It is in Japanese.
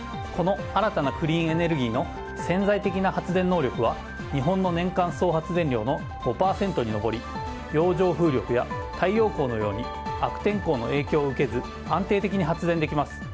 この新たなクリーンエネルギーの潜在的な発電能力は日本の年間総発電量の５％に上り洋上風力や太陽光のように悪天候の影響を受けず安定的に発電できます。